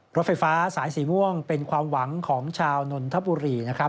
รถไฟฟ้าสายสีม่วงเป็นความหวังของชาวนนทบุรีนะครับ